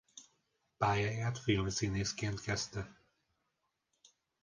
Pályáját filmszínészként kezdte.